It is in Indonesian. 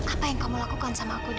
apa yang kamu lakukan sama aku